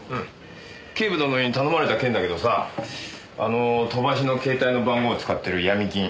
警部殿に頼まれた件だけどさああの飛ばしの携帯の番号使ってるヤミ金。